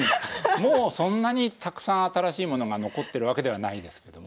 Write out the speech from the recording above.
もうそんなにたくさん新しいものが残ってるわけではないですけども。